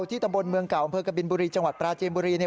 ที่ตำบลเมืองเก่าอำเภอกบินบุรีจังหวัดปราจีนบุรี